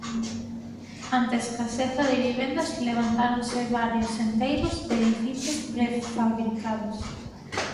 Ante a escaseza de vivendas levantáronse barrios enteiros de edificios prefabricados.